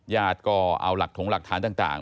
ญาติก็เอาหลักถงหลักฐานต่าง